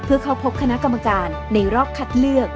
เพื่อเข้าพบคณะกรรมการในรอบคัดเลือก